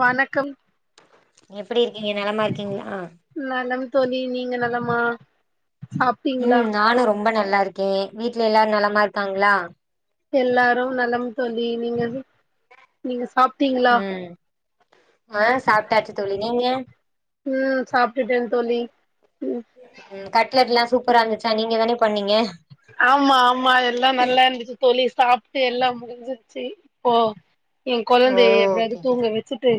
வணக்கம் எப்படி இருக்கீங்க நலமா இருக்கீங்களா நலம் தோழி நீங்க நலமா சாப்ட்டீங்களா ம் நானு ரொம்ப நல்லா இருக்கேன் வீட்டுல எல்லாரும் நலமா இருக்காங்களா எல்லாரும் நலம் தோழி நீங்க நீங்க சாப் ஹ்ஹ் ஆஹ் சாப்பிட்டாச்சு தோழி நீங்க உம் சாப்பிட்டுட்டேன் தோழி ம் உம் க ல எல்லாம் சூப்பர இருந்துச்சா நீங்க தானே பண்ணீங்க ஆமா ஆமா எல்லா நல்லா இருந்துச்சு தோழி சாப்ட்டு எல்லா முடிஞ்சிருச்சு போ என் ஓ குழந்தை ஓகே எப்பிடியாவது ஓகே தூங்க வச்சுட்டு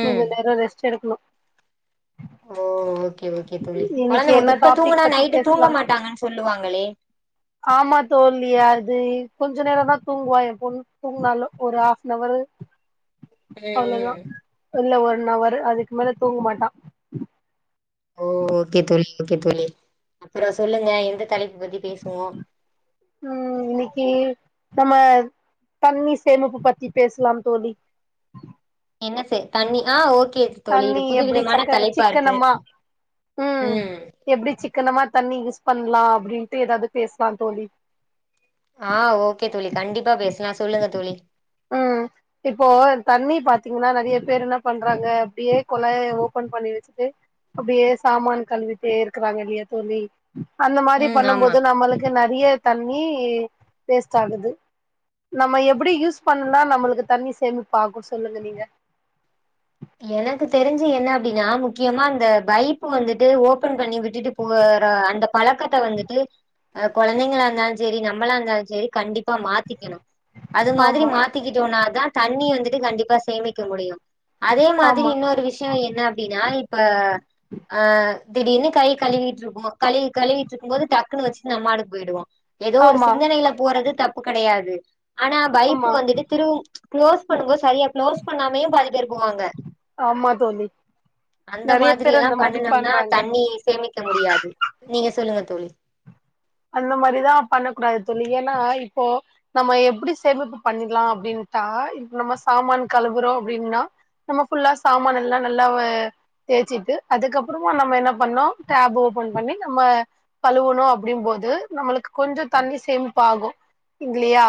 ம் கொஞ்ச நேர ரெஸ்டு எடுக்கணு ஓஓ இன்னக்கி என்ன டாபிக் பத்தி நைட்டு தூங்க பேசலாம் மாட்டாங்கன்னு சொல்லுவாங்களே ஆமா தோலி அது இ கொஞ்ச நேரம் தா தூங்குவா ஏ பொண்ணு தூங்கினாலு ஒரு ஆப்னவரு ம் ம் அவ்ளவுதான் என்ல்ல ஒரு ஒன் அவரு அதுக்கு மேல தூங்க மாட்டான் ஓ ஓகே தோலி ஓகே தோலி அப்புறம் சொல்லுங்க எந்த தலைப் இத பத்தி பேசுவோம் ம் இன்னைக்கு நம்ம தண்ணி சேமிப்பு பத்தி பேசலாம் தோழி என்ன சே தண்ணி ஆ ஓகே தோழி இது தண்ணி எப்பிடி புதுவிதமான சக்க தலைப்பா இருக்கு சிக்கனம்மா ம் எப்டி சிக் சிக்கனமா தண்ணி யூஸ் பண்ணலாம் அப்பிடின்ட்டு ஏதாவது பேசலாம் தோழி ஆ ஓகே தோழி கண்டிப்பா பேசலா சொல்லுங்க தோழி பாத்தீங்கின்னா நெறைய பேர் என்ன பண்றாங்க அப்பிடியே கொலய ஓபன் பண்ணி வச்சுட்டு அப்பிடியே சாமான் கலிவிட்டே இருக்கிறாங்க இல்லயா தோழி அந்த மாரி ம் பண்ணு ஆமா போது நம்பளுக்கு நெறைய தண்ணி வேஸ்டா ஆகுது நம்ம எப்டி யூஸ் பண்ணுனா நம்பளுக்கு தண்ணி சேமிப்பாகும் சொல்லுங்க நீங்க எனக்கு தெரிஞ்சு என்ன அப்டின்னா முக்கியமா அந்த பைப்பு வந்துட்டு ஓபன் பண்ணி விட்டுட்டு போற அந்த பழக்கத்த வந்துட்டு அ குழந்தைங்களா இருந்தாலு சரி நம்பளா இருந்தாலு சரி கண்டிப் மாத்திக்கணு அது மாரி ஆமா மாத்திக்கிட்டோனா தா தண்ணி வந்துட்டு கண்டிப்பா சேமிக்க முடியும் அதே மாரி ஆமா இன்னொரு விஷயம் என்ன அப்பிடின்னா இப்ப ஆ திடீர்னு கை கழுவிட்டு இருக்கோ கழவி கழுவிட்ற்று இருக்கு போது டக்குனு வச்சு நம்மாடுக் போயிடுவாம் எதோ ஒரு ஆமா சிந்தனையில போறது தப்பு கெடையாது ஆனா பைப்பு ஆமா வந்துட்டு திருவு ச் குளோஸ் பண்ணு போது சரியா குளோஸ் பண்ணாமே பா போங்க ஆமா தோழி அந்த நெறைய மாரி பேர் எல்லா அந்த மாரி பண்ணனும்னா பண்றாங்க தண்ணி சேமிக்க முடியாது நீங்க சொல்லுங்க தோழி அந்த மாரிதா பண்ணக்கூடாது தோழி ஏன்னா இப்போ நம்ம எப்டி சேமிப்பு பண்ணிக்கலாம் அப்டின்ட்டா இப்ப நம்ம சாமான் கழுவுறோ அப்டின்னா நம்ம ஃபுல்லா சாமான் எல்லா நல்லாவ தேய்ச்சிட்டு அதுக்கப்பறமா நம்ப என்ன பண்ணோ டேப் ஓபன் பண்ணி நம்ம கழுவுணு அப்டின் போது இது நம்மளுக்கு கொஞ்ச தண்ணி சேமிப்பு ஆகு இல்லயா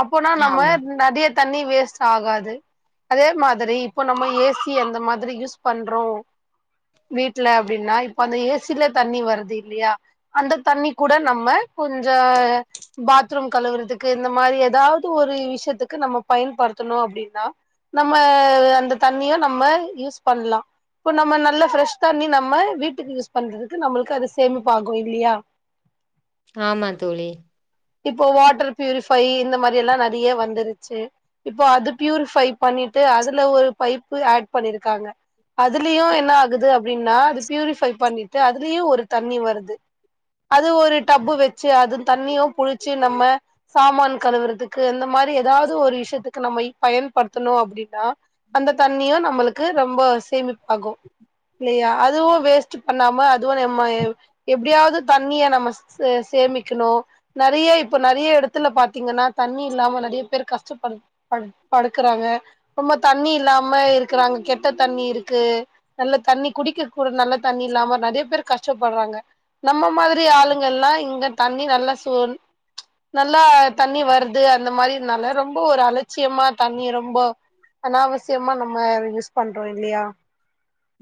அப்போனா நம்ம ஆமா நெறைய தண்ணி வேஸ்டு ஆகாது அதே மாரி இப்ப நம்ப ஏ சி அந்த மாரி யூஸ் பண்றோம் வீட்டுல அப்டின்னா இப்ப அந்த ஏ சில தண்ணி வருது இல்லயா அந்த தண்ணி கூட நம்ம கொஞ்ச பாத்ரூம் கழுவுறதுக்கு இந்த மாரி ஏதாவது ஒரு விஷயத்துக்கு நம்ம பயன்படுத்தணும் அப்டின்னா நம்ம அந்த தண்ணியும் நம்ம யூஸ் பண்லா இப்ப நம்ம நல்ல ஃப்ரெஷ் தண்ணி நம்ம வீட்டுக்கு யூஸ் பண்றதுக்கு நம்மளுக்கு அது சேமிப்பு ஆகு இல்லியா ஆமா தோழி இப்போ வாட்டர் பியூரிஃபை இந்த மாரி எல்லா நெறைய வந்துருச்சு இப்போ அது பியூரிஃபை பண்ணிட்டு அதுல ஒரு பைப் ஆட் பண்ணிருக்காங்க அதுலயும் என்ன ஆகுது அப்டின்னா அது பியூரிஃபை பண்ணிட்டு அதுலயும் ஒரு தண்ணி வருது அது ஒரு டப்பு வச்சு அது தண்ணியும் புழிச்சு நம்ம சாமான் கழுவுறதுக்கு இந்த மாரி ஏதாவது ஒரு விஷயத்துக்கு நம்ம பயன்படுத்தோணம் அப்டின்னா அந்த தண்ணியும் நம்மளுக்கு ரெம்ப சேமிப்பாகும் இல்லியா அதுவும் வேஸ்டு பண்ணாம அதுவும் நம்ம அ எப்டியாவது தண்ணிய நம்ம சேமிக்கணும் நெறைய இப்ப நெறைய எடத்துல பாத்தீங்கன்னா தண்ணி இல்லாம நெறைய பேர் கஷ்டப்ப படுக்குறாங்க ரொம்ப தண்ணி இல்லாம இருக்கிறாங்க கெட்ட தண்ணி இருக்கு நல்ல தண்ணி குடிக்க கூட நல்ல தண்ணி இல்லாம நெறைய பேர் கஷ்டப்பட்றாங்க நம்ம மாதிரி ஆளுங்க எல்லாம் இங்க தண்ணி நல்ல தண்ணி நல்ல சோறு ச்சி நல்லா தண்ணி வருது அந்த மாரி இருந்தால ரொம்ப ஒரு அலட்சியமா தண்ணி ரொம்ப அனாவசியமா நம்ம யூஸ் பண்றோம் இல்லியா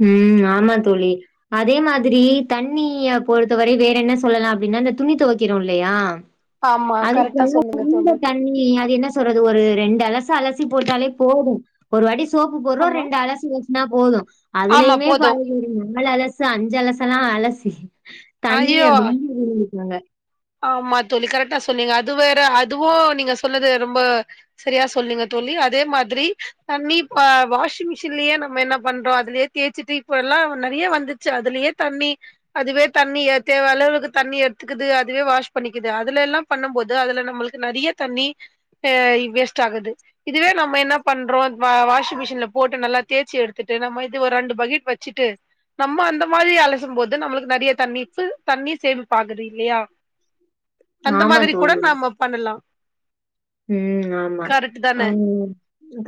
உம் ஆமா தோலி அதே மாதிரி தண்ணிய பொறுத்தவரை வேற என்ன சொல்லலாம் அப்டின்னா இந்த துணி தொவைக்கிறோம் இல்லியா ஆமா அதுக்கு கரெக்டா சொல்லுங்க தோழி எல்லாம்ந்த தண்ணி அது என்ன என்ன சொல்றது ஒரு ரெண்டு அலசு அலசி போட்டாலே போதும் ஒரு வாட்டி சோப்பு போறோ ஆமா ரெண்டு அலசி கும்னா போதும் ஆமா அதுலயுமே போது பாரு நாலலசு அஞ்சலசலாம் அலசி தண்ணிய ஐயோ ரொம்ப இன்னாங்க ஆமா தோலி கரெக்டா சொன்னிங்க அது வேற அதுவும் நீங்க சொன்னது ரொம்ப சரியா சொன்னிங்க தோலி அதே மாதிரி தண்ணி இப்ப வாஷிங் மிஷின்லயே நம்ம என்ன பண்றோம் அதுலயே தேய்சிட்டு இப்ப எல்லாம் நெறைய வந்துச்சு அதுலயே தண்ணி அதுவே தண்ணிய தேவ அளவுக்கு தண்ணி எடுத்துக்குது இதுவே வாஷ் பண்ணிக்குது அதுல எல்லாம் பண்ணும்போது அதுல நம்மளுக்கு நெறைய தண்ணி ஆ வேஸ்ட் ஆகுது இதுவே நம்ம என்ன பண்றோம் வாஷிங் மிஷின்ல போட்டு நல்லா தேய்ச்சு எடுத்துட்டு நம்ம இது ஒரு ரெண்டு பக்கெட் வச்சுட்டு நம்ம அந்த மாரி அலசும் போது நம்மளுக்கு நெறைய தண்ணிப்பு தண்ணிர் சேமிப்பு ஆகுது இல்லயா அந்த ஆமா மாதிரி கூட தோழி நாம பண்ணலாம் ஆ ம் ஆமா ஆஹ்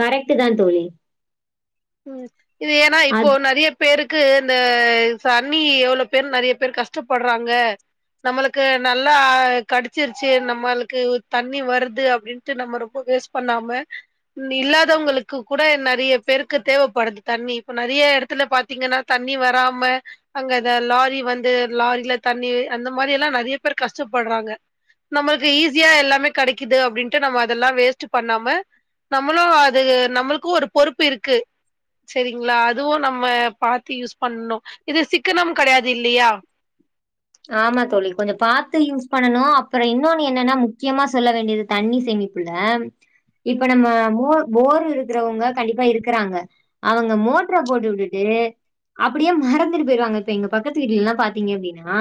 கரெக்ட் தான் தோலி ம் இது ஏன்னா இப்போ நெறைய பேருக்கு இந்த தண்ணி எவ்ளோ பேர் நெறைய பேர் கஷ்டப்படுறாங்க நம்மளுக்கு நல்லா கடிச்சிருச்சு நம்மளுக்கு தண்ணி வருது அப்டின்ட்டு நம்ம ரொம்ப வேஸ்ட் பண்ணாம இல்லாதவங்களுக்கு கூட நெறைய பேரு தேவைப்படுது தண்ணி இப்ப நெறைய எடத்துல பாத்தீங்கன்னா தண்ணி வராம அங்க இத லாரி வந்து லாரில தண்ணி அந்த மாரி எல்லாம் நெறைய பேர் கஷ்டப்பட்றாங்க நம்மளுக்கு ஈஸியா எல்லாமே கிடைக்கிது அப்டின்ட்டு நம்ம அதெல்லாம் வேஸ்ட்டு பண்ணாம நம்மளும் அது நம்மளுக்கும் ஒரு பொறுப்பு இருக்கு சேரிங்களா அதுவும் நம்ம பாத்து யூஸ் பண்ணும் இது சிக்கனம் கிடையாது இல்லையா ஆமா தோலி கொஞ்சோம் பாரத்து யூஸ் பண்ணணும் அப்புறோம் இன்னொன்னு என்னன்னா முக்கியமா சொல்ல வேண்டியது தண்ணி சேமிப்புல இப்ப நம்ம ம் மோட்ரு போர் இருக்கிறவங்க கண்டிப்பா இருக்கிறாங்க அவங்க மோட்ர போட்டு வுட்டுட்டு அப்படியே மறந்துட்டு போயிடுவாங்க இப்ப எங்க பக்கத்து வீட்ல எல்லாம் பாத்தீங்க அப்டின்னா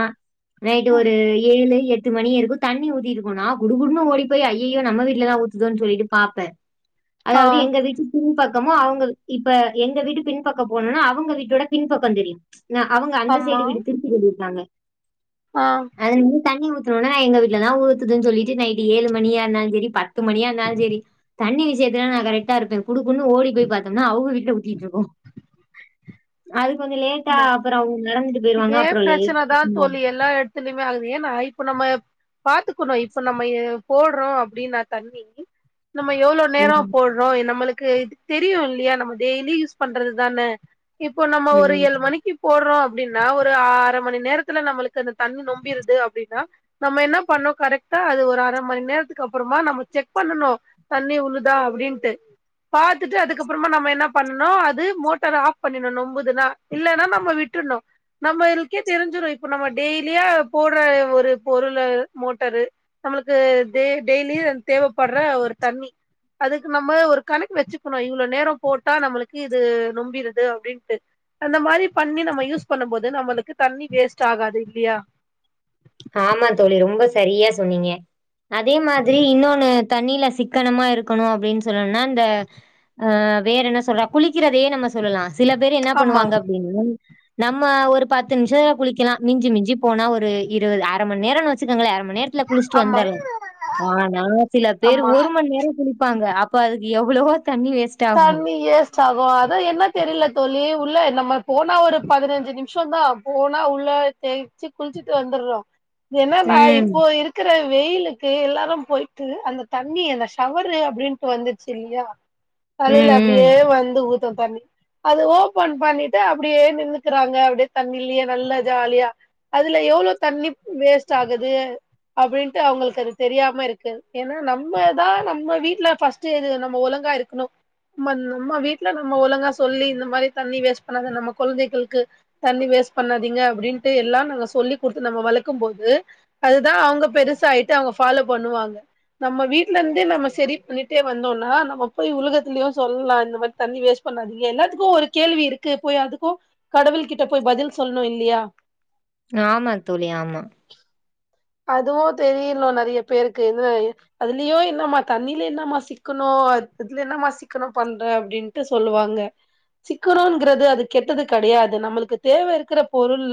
நைட்டு் ஒரு ஏழுல எட்டு பத்து மணி இருக்கும் தண்ணி ஊத்திட்ருகோனா குடு குடுன்னு ஓடி போய் ஐயயோ நம் வீட்லதான் ஊத்துதோன்னு சொல்லிட்டு பாப்பேன் ஆ அதாவது எங்க வீட்டு பின் பக்கம் பக்கமோ அவங்க இப்ப எங்க வீட்டு பின்பக்கம் போனணும்னா அவங்க வீட்டோட பின்பக்கம் தெரியும் [unintelligible] ந அவங்க அந்த ஆமா சைடு வீட்டு திருச்சி சொல்லிருக்காங்க [inaudible] ஆ அ [inaudible] தண்ணி ஊத்தனும்ன நான் எங்க வீட்டுல தான் ஊதுன்னு சொல்லிட்டு நைட்டு் ஏழு மணியா இருந்தாலும் சரி பத்து மணியா இருந்தாலும் சரி தண்ணி விஷயத்தல நான் கரெக்டா இருப்பேன் [inaudible] குடுக்குன்னனு ஓடி போய் பார்த்தோம்னா அவங்க வீட்டுல த்திட்டு இருக்கும் அ [inaudible] கொஞ்சம் லேட்டா ஆமா அப்புறம் அவங்க நடந்துட்டு போயிவாங்க அப்புறம் லேட் சொல எல்லாம் [inaudible] த்தம ஆகுது ஏன்னா இப்ப நம்ம பாத்துக்கணும் இப்ப நம்ம போடுறோம் அப்படின்னு நான் தண்ணி [inaudible] நம்ம எவ்வளோ நேரம் ம். போடுறோம் நம்மளுக்கு தெரியும் இல்லையா நம்ம டெய்லி யூஸ் பண்றதுதானே [inaudible] இப்போ நம்ம ஒரு ம். எல்லு போடுறோம் அப்படின்னா ஒரு அரை மணி நேரத்துல நம்மளுக்கு அந்த தண்ணி நொம்பிடுது அப்படின்னா நம்ம என்ன பண்ணோம் கரெக்ட்டா அது ஒரு அரை மணி நேரத்துக்கு அப்புறமா நம்ம செக் பண்ணனும் தண்ணி உள்ளழுுதா அப்படின்ட்டு பாாரத்துுட்டு அதுக்கப்புறமா நம்ம என்ன பண்ணனும் அது மோட்டர் ஆஃப் பண்ணிடும் நொம்புதுன்னா [unintelligible] இல்லைன்னா நம்ம விட்டுணோம் நம்ம இதுக்கே தெரிஞ்சிரும் இப்ப நம்ம டெய்லியா போடுற ஒரு பொருள் மோட்டரு நம்மளுக்கு டெய்லி தேவைப்படுற ஒரு தண்ணி அதுக்கு நம்ம ஒரு கணக்கு வச்சுக்கணும் இவ்வளவு நேரம் போட்டா நம்மளுக்கு இது நொம்பிடுது அப்படின்ட்டு [inaudible] அந்த மாதிரி பண்ணி நம்ம யூஸ் பண்ணும் போது நம்மளுக்கு தண்ணி வேஸ்ட் ஆகாது இல்லையா ஆமா தோழி ரொம்ப சரியா சொன்னீங்க அதே மாதிரி இன்னொன்னு தண்ணியில சிக்கனமா இருக்கணும் அப்படின்னு சொல்லும்னா இந்த வேற என்ன சொல்ற குளக் சிரிக்கிறதே நம்ம சொல்லலாம் சில பேர் என்ன ஆமா பண்ணுவாங்க அப்படின்னு நம்ம ஒரு பத்து நிமிஷத்துல குளிக்கலாம் மிஞ்சி மிஞ்சி போனா ஒரு இருபது ஆரை மணி நேரம் வச்சு க்க இரை மணி நேரத்துல குளிச்சுட்டு ஆமா வந்துல ஆனா சில பேர் ஆமா ஒரு மணி நேரம் குளிப்பாங்க அப்ப அதுக்கு [unintelligible] எவ்வளோ தண்ணி ஏஸ்ட் ஆகும் அத என்ன தெரியல தோளி உள்ள நம்ம போனா ஒரு பதினஞ்சு நிமிஷம் தான் போனா உள்ள தேய்ச்சு குளிச்சுட்டு வந்துடுறோம் என்னடா ம் இப்போ இருக்கு வெயிலுக்கு எல்லாரும் போயிட்டு அந்த தண்ணி அந்த ஷவரு அப்படின்ட்டு வந்துச்சு இல்லையா [inaudible] கலையில ம் ம் அப்படியே வந்து [unintelligible] தண்ணி அது ஓபன் பண்ணிட்டு அப்படியே நின்னுக்கிறாங்க அப்படியே தண்ணி இல்லையே நல்ல ஜாலியா அதுல எவ்ளவு தண்ணி வேஸ்ட் ஆகுது அப்படின்ட்டு அவங்களுக்கு அது தெரியாம இருக்கு ஏன்னா நம்மதான் நம்ம வீட்டுல ஸ்ட் இது நம்ம ஒலங்கா இருக்கணும் [inaudible] நம்மவீட்டுல நம்ம ஒழுங்கா சொல்லி இந்த மாதிரி தண்ணி வேஸ்ட் பண்ணாத நம்ம குழந்தைகளுக்கு தண்ணி வேஸ்ட் பண்ணாதீங்க அப்படின்ட்டு எல்லாம் நாங்க சொல்லி குடுத்து நம்ம வளர்க்கும் போது அதுதான் அவங்க பெருசா ஆயிட்டு அவங்க ஃபாலோ பண்ணுவாங்க நம்ம வீட்டுல இருந்தே நம்ம சரி பண்ணிட்டே வந்தோம்னா நம்ம போய் உலக இதுலயும் சொல்லலாம் இந்த மாதிரி தண்ணி வேஸ்ட் பண்ணாதீங்க எல்லாத்துக்கும் ஒரு கேள்வி இருக்கு போய் அதுக்கும் கடவுள் கிட்ட போய் பதில் சொல்லணும் இல்லையா [inaudible] ஆமா தோழி ஆமா அதுவும் தெரியலும் நிறைய பேருக்கு அதுலயோ என்னம் தண்ணில என்னமா சிக்கணும் இதுல என்னம் சிக்கணும் பண்ற அப்படின்ட்டு சொல்லுவாங்க சிக்கணும்ங்கிறது அது கெட்டது கிடையாது நம்மளுக்கு தேவை இருக்கிற பொருள்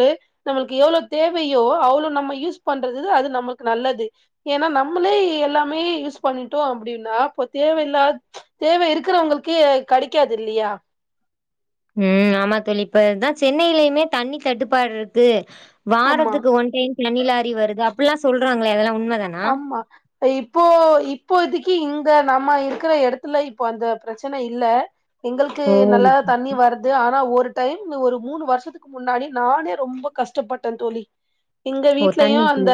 நம்மளுக்கு எவ்வளவு தேவையோ அவ்வளவு நம்ம யூஸ் [unintelligible] பண்றது அது நம்மளுக்கு நல்லது ஏன்னா நம்மளே எல்லாமே யூஸ் பண்ணிட்டோம் அப்படின்னா இப்ப தேவையில்லாத தேவை இருக்கிறவங்களுக்குே கிடைக்காது இல்லையா [unintelligible] உஹம் ஆமா தல்லி இப்பதான் சென்னையிலயுமே தண்ணி தட்டுப்பாடு இருக்கு [inaudible] ஆமா வாரத்துக்கு ஒன் டைம் தண்ணிலாரி வருது அப்படி எல்லாம் சொல்றாங்களை அதெல்லாம் உன் ஆமா இப்போ இப்போ இதுக்கு இங்க நம்ம இருக்கிற இடத்துல இப்போ அந்த பிரச்சனை இல்ல எங்களுக்கு ஓ நல்லா தண்ணி வருது ஆனா ஒரு டைம் ஒரு மூணு வருஷத்துக்கு முன்னாடி நானே ரொம்ப கஷ்டப்பட்டேன் தோழி எங்க ஓ வீட்லயும் தண்ணிக்கு அந்த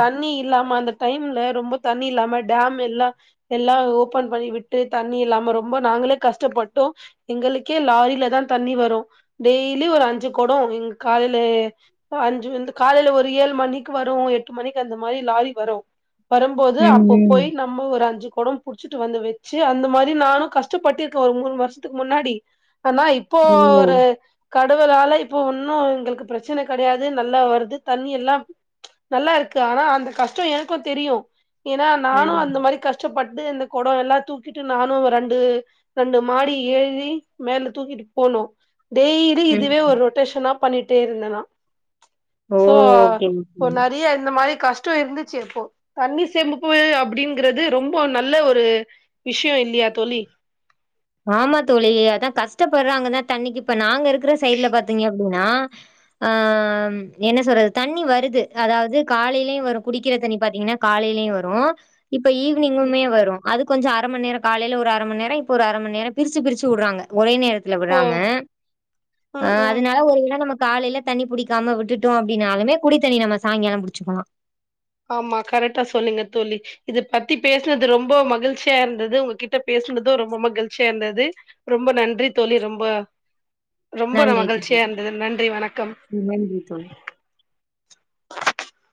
தண்ணி இல்லாம அந்த டைம்ல ரொம்ப தண்ணி இல்லாம டேம் எல்லாம் எல்லாம் ஓபன் பண்ணி விட்டு தண்ணி இல்லாம ரொம்ப நாங்களே கஷ்டப்பட்டோம் எங்களுக்கே லாரில தான் தண்ணி வரும் டெய்லி ஒரு அஞ்சு கொடம் எங் காலையில அஞ்சு வந்து காலையில ஒரு ஏழு மணிக்கு வரும் எட்டு மணிக்கு அந்த மாதிரி லாரி வரும் வரும்போது ம் அப்போ ம் போய் நம்ம ஒரு அஞ்சு கு கொடம்ப் புடிச்சிட்டு வந்து வச்சு அந்த மாதிரி நானும் கஷ்டப்பட்டிருக்கேன் ஒரு மூணு வருஷத்துக்கு முன்னாடி ஆனா இப்போ ம் ஓ ஒரு கடவுளால இப்போ இன்னும் எங்களுக்கு பிரச்சனை கிடையாது நல்லா வருது தண்ணி எல்லாம் நல்லா இருக்கு ஆனா அந்த கஷ்டம் ஏன் தெரியும் ஏன்னா நானும் ம் அந்த மாதிரி கஷ்டப்பட்டு இந்த கொடம் எல்லாம் தூக்கிட்டு நானும் ரெண்டு ரெண்டு மாடி ஏறி மேல தூக்கிட்டு போனோம் டெய்லி ம் இதுவே ஒரு ரொட்டேஷனா ஆப் பண்ணிட்டே இருந்தேனா ஓ சோ ஓகே இப்போ ஓகே நிறைய இந்த மாதிரி கஷ்டம் இருந்து ச்சு அப்போ தண்ணிர் சேமிப்பு அப்படிங்கிறது ரொம்ப நல்ல ஒரு விஷயம் இல்லையா தோழி ஆமா தோழி அதான் கஷ்டப்படுறாங்க தான் தண்ணிக்கு இப்ப நா இருக்குற சைடுல பாத்தீங்க அப்படின்னா ஆஹ என்ன சொல்றது தண்ணி வருது அதாவுது காலையிலயும் வரும் குடிக்கிற தண்ணி பாத்தீங்கன்னா காலையிலயும் வரும் இப்ப ஈவனிங்குமே வரும் அது கொஞ்ச அரை மணிநேரம் காலையில ஒரு அரை மணி நேரம் இப்ப ஒரு அரை மணி நேர பிரிச்சு பிரிச்சு விடுறாங்க ஒரே நேரம் ஓ விடாம ம் ம் அதனால ஒரு விளை நமக்கு காலையில தண்ணி புடிக்காம விட்டுட்டோம் அப்படின்னாலுமே குடித்தண்ணி நம்ம சாய்ங்காலம் புடிச்சுக்கலாம் ஆமா கரெக்டா சொல்லுங்க தோழி இதத பத்தி பேசினது ரொம்ப மகிழ்ச்சியா இருந்தது உங்ககிட்ட பேசுனதும் ரொம்ப மகிழ்ச்சியா இருந்தது ரொம்ப நன்றி தோழி ரொம்ப ரொம்ப நல் நன்றி தோழி மகிழ்ச்சியா இருந்தது நன்றி வணக்கம் நன்றி தோழி